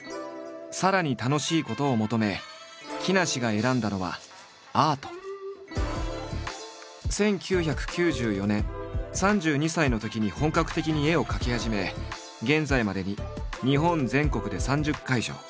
さらに楽しいことを求め木梨が選んだのは１９９４年３２歳のときに本格的に絵を描き始め現在までに日本全国で３０会場。